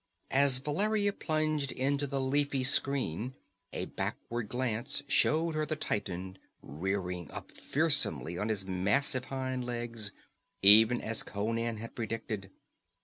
As Valeria plunged into the leafy screen a backward glance showed her the titan rearing up fearsomely on his massive hind legs, even as Conan had predicted.